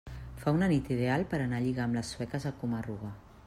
Fa una nit ideal per anar a lligar amb les sueques a Coma-ruga.